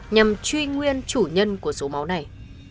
nhằm truy nguyên chủ nhân của số máu này